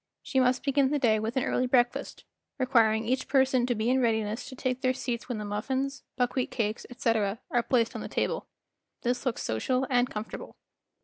She must begin the day with an early breakfast, requiring each person to be in readiness to take their seats when the muffins, buckwheat cakes, etc., arc placed on the table. This looks social and comfor table.